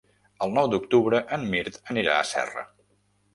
El nou d'octubre en Mirt anirà a Serra.